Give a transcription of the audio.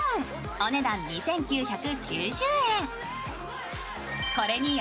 お値段２９９０円。